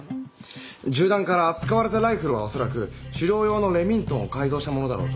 銃弾から使われたライフルはおそらく狩猟用のレミントンを改造したものだろうと。